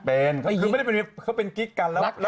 เป็นเขาเป็นกิ๊กกัน